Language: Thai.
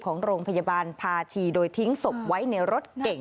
ของโรงพยาบาลภาชีโดยทิ้งศพไว้ในรถเก่ง